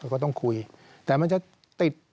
ก็ต้องคุยแต่มันจะติด